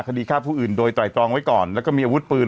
คดีฆ่าผู้อื่นโดยไตรตรองไว้ก่อนแล้วก็มีอาวุธปืน